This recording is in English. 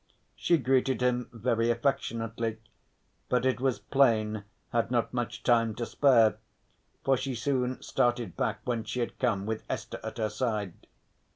She greeted him very affectionately but it was plain had not much time to spare, for she soon started back whence she had come with Esther at her side.